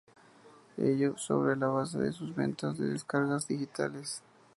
Ello, sobre la base de sus ventas de descargas digitales.